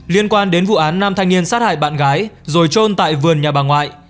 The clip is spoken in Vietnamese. liên quan đến vụ án nam thanh niên sát hại bạn gái rồi trôn tại vườn nhà bà ngoại